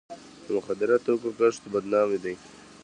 د مخدره توکو کښت بدنامي ده.